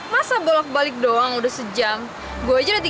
masa bolak balik doang udah berhenti